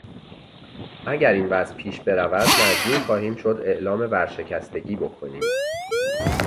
اگر این وضع پیش برود مجبور خواهیم شد اعلام ورشکستگی بکنیم.